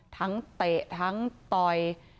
ทั้งเตะทั้งตอย